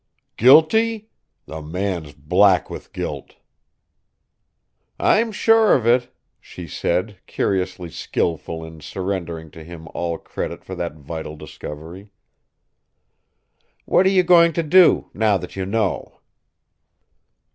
Guilty? The man's black with guilt." "I'm sure of it," she said, curiously skilful in surrendering to him all credit for that vital discovery. "What are you going to do now that you know?"